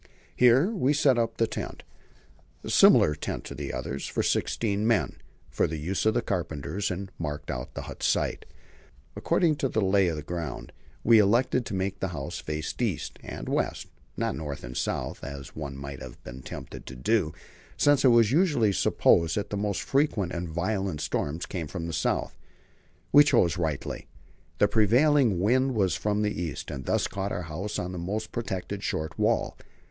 Here we set up the tent a similar tent to the other, for sixteen men for the use of the carpenters, and marked out the hut site. According to the lie of the ground we elected to make the house face east and west, and not north and south, as one might have been tempted to do, since it was usually supposed that the most frequent and violent winds came from the south. We chose rightly. The prevailing wind was from the east, and thus caught our house on its most protected short wall.